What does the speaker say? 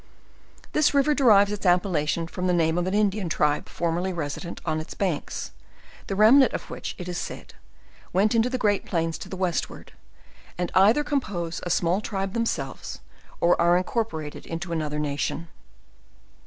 This river derives its appellation from the name of an In dian tribe formerly resident on its banks; the remnant of f which, it is said, went into the great plains to the westward, and either compose a small tribe themselves, or are incorpo*^ rated into another nation.